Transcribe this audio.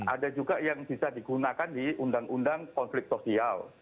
ada juga yang bisa digunakan di undang undang konflik sosial